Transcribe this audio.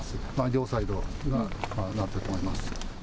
両サイドがなっていると思います。